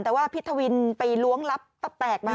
แต่ว่าพี่ทวินไปล้วงระปแปลกมา